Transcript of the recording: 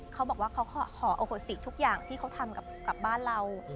เขาบอกว่าเขาขอโอโหสิทุกอย่างที่เขาทำกับบ้านเรา